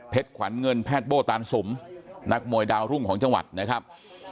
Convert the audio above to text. ขวัญเงินแพทย์โบ้ตานสุมนักมวยดาวรุ่งของจังหวัดนะครับ